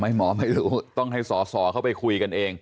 หมอไม่รู้ต้องให้สอสอเข้าไปคุยกันเอง